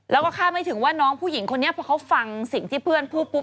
แล้วก็คาดไม่ถึงว่าน้องผู้หญิงคนนี้พอเขาฟังสิ่งที่เพื่อนพูดปุ๊บ